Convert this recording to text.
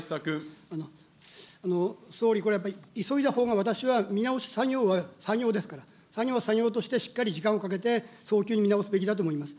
総理、これは急いだほうが、私は、見直し作業は作業ですから、作業は作業として、しっかり時間をかけて早急に見直すべきだと思います。